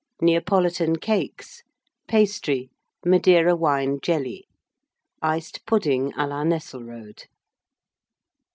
Neapolitan Cakes. Pastry. Madeira Wine Jelly. Iced Pudding à la Nesselrode.